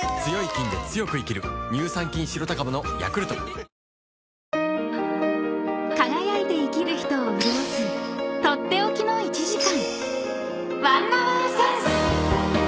うまダブルなんで［輝いて生きる人を潤す取って置きの１時間］